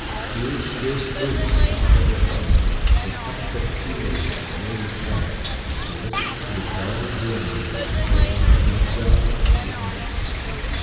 Huge, fierce brutes stopped in their hunting, with up pricked ears and raised heads, to listen to the dull booming that betokened the Dum Dum of the apes.